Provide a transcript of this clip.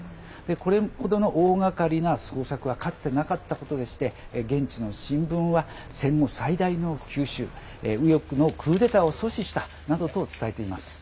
これほどの大がかりな捜索はかつてなかったことでして現地の新聞は戦後最大の急襲右翼のクーデターを阻止したなどと伝えています。